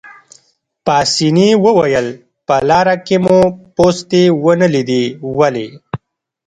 پاسیني وویل: په لاره کې مو پوستې ونه لیدې، ولې؟